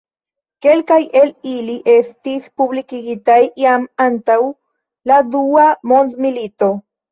Kelkaj el ili estis publikigitaj jam antaŭ la dua mondmilito.